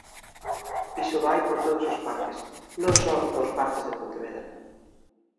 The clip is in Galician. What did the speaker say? Iso vai por todos os parques, non só dos parques de Pontevedra.